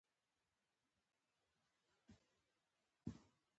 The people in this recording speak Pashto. واک یې د کمونېست ګوند په منګولو کې متمرکز کړی و.